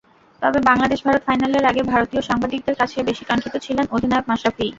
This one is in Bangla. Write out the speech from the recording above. তবে বাংলাদেশ-ভারত ফাইনালের আগে ভারতীয় সাংবাদিকদের কাছে বেশি কাঙ্ক্ষিত ছিলেন অধিনায়ক মাশরাফিই।